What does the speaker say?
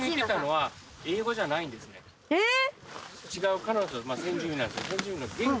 えっ！？